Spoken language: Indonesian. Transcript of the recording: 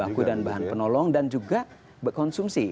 baku dan bahan penolong dan juga konsumsi